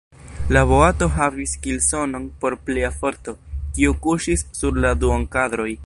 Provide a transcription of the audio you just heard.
La boato havis kilsonon por plia forto, kiu kuŝis sur la duonkadroj.